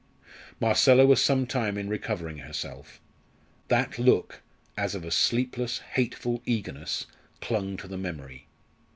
Marcella was some time in recovering herself. That look, as of a sleepless, hateful eagerness, clung to the memory.